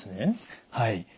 はい。